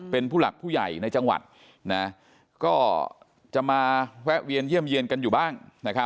เป็นผู้หลักผู้ใหญ่ในจังหวัดก็จะมาแวะเวียนเยี่ยมเยี่ยนกันอยู่บ้าง